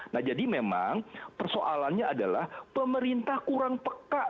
nah jadi memang persoalannya adalah pemerintah kurang peka